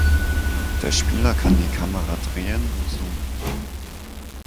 Der Spieler kann die Kamera drehen und zoomen.